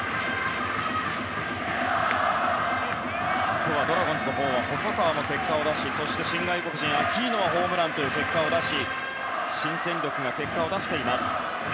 今日はドラゴンズのほうは細川も結果を出しそして新外国人のアキーノはホームランという結果を出し新戦力が結果を出しています。